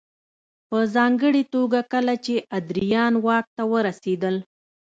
په ځانګړې توګه کله چې ادریان واک ته ورسېدل